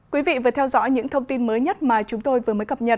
quý vị vừa theo dõi những thông tin mới nhất mà chúng tôi vừa mới cập nhật